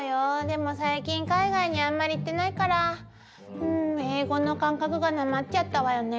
でも最近海外にあんまり行ってないから英語の感覚がなまっちゃったわよね。